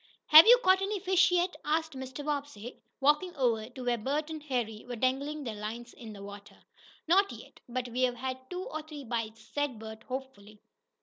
"Have you caught any fish yet?" asked Mr. Bobbsey, walking over to where Bert and Harry were dangling their lines in the water. "Not yet, but we've had two or three bites," said Bert, hopefully.